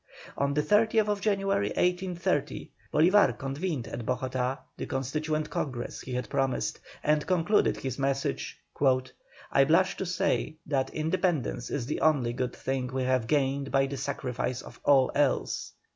On the 30th January, 1830, Bolívar convened at Bogotá the Constituent Congress he had promised, and concluded his message: "I blush to say that independence is the only good thing we have gained by the sacrifice of all else."